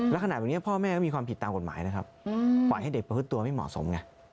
ลักษณะแบบนี้พ่อแม่ก็มีความผิดตามกฎหมายนะครับปล่อยให้เด็กประพฤติตัวไม่เหมาะสมไง